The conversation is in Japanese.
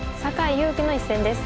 佑規の一戦です。